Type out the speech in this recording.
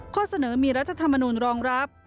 ข้อเสนอมีรัฐธรรมนุนรองรับ